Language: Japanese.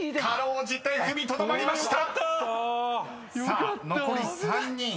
［さあ残り３人］